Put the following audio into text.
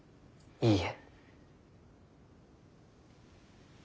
いいえ。